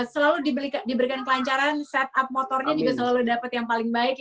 selalu diberikan kelancaran set up motornya juga selalu dapat yang paling baik